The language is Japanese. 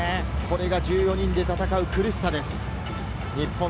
これが１４人で戦う苦しさです。